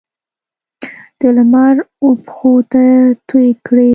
د لمر وپښوته توی کړي